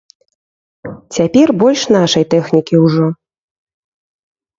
Цяпер больш нашай тэхнікі ўжо.